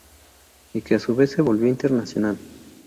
Y que a su vez se volvió internacional.